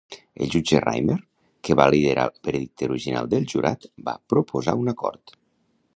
El jutge Rymer, que va liderar el veredicte original del jurat, va proposar un acord.